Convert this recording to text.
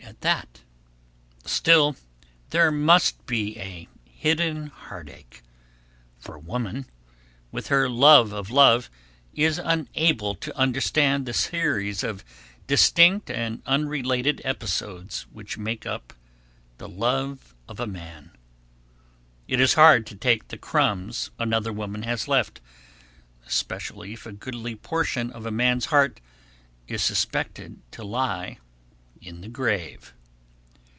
[Sidenote: The Hidden Heartache] Still, there must be a hidden heartache, for woman, with her love of love, is unable to understand the series of distinct and unrelated episodes which make up the love of a man. It is hard to take the crumbs another woman has left, especially if a goodly portion of a man's heart is suspected to lie in the grave.